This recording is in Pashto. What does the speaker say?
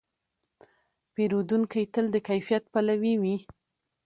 پیرودونکی تل د کیفیت پلوي وي.